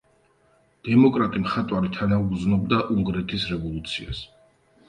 დემოკრატი მხატვარი თანაუგრძნობდა უნგრეთის რევოლუციას.